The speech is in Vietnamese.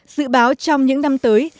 dự báo trong những năm tới